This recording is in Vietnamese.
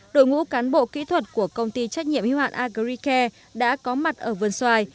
đội ngũ cán bộ kỹ thuật của công ty trách nhiệm huyện agricare đã có mặt ở vườn xoài